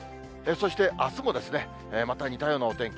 そしてあすも、また似たようなお天気。